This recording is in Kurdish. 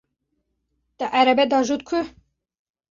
Te erebe diajot ku?